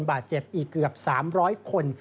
บาดเจ็บอีกเกือบ๓๐๐คน